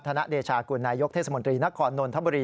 ธนเดชากุลนายกเทศมนตรีนครนนทบุรี